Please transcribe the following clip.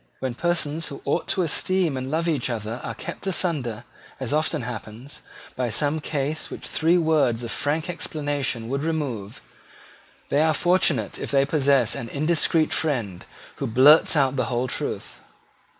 When persons who ought to esteem and love each other are kept asunder, as often happens, by some cause which three words of frank explanation would remove, they are fortunate if they possess an indiscreet friend who blurts out the whole truth.